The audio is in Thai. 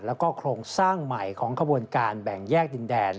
แล้วก็โครงสร้างใหม่ของขบวนการแบ่งแยกดินแดน